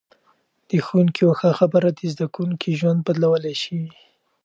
د ښوونکي یوه ښه خبره د زده کوونکي ژوند بدلولای شي.